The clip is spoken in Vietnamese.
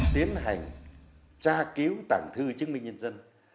tiến hành tra cứu tảng thư chứng minh nhân dân